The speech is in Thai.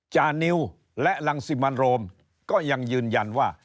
จานิวและรังสิมันโรมก็ยังยืนยันว่า